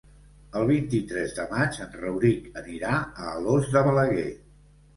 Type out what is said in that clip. El vint-i-tres de maig en Rauric anirà a Alòs de Balaguer.